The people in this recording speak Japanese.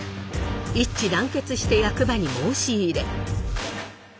一致団結して役場に申し入れ。